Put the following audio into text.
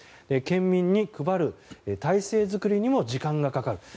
県民に配る体制作りにも時間がかかる。